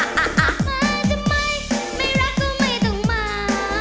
มาทำไมไม่รักก็ไม่ต้องมา